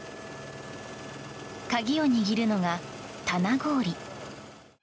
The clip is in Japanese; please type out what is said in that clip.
鍵を握るのが棚氷。